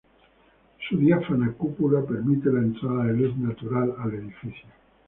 Su diáfana cúpula permite la entrada de luz natural al edificio.